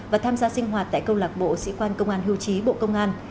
và tham gia sinh hoạt tại công lạc bộ sĩ quan công an hưu trí bộ công an